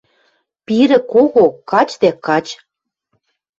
Пирӹ кого — кач дӓ кач!